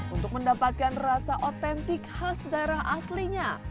untuk mendapatkan rasa otentik khas daerah aslinya